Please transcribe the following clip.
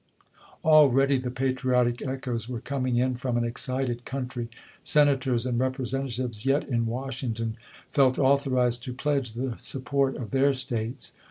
Already the patri otic echoes were coming in from an excited country. Senators and Representatives yet in Washington felt authorized to pledge the support of their States.